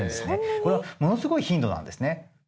これはものすごい頻度なんですね。